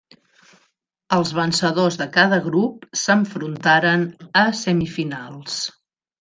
Els vencedors de cada grup s'enfrontaren a semifinals.